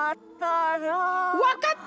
わかった！